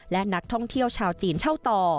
และนักท่องเที่ยวชาวจีนเช่าต่อ